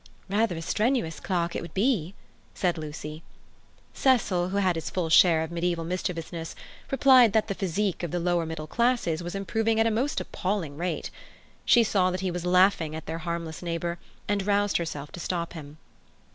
"Rather a strenuous clerk it would be," said Lucy. Cecil, who had his full share of mediaeval mischievousness, replied that the physique of the lower middle classes was improving at a most appalling rate. She saw that he was laughing at their harmless neighbour, and roused herself to stop him.